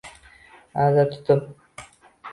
Aza tutib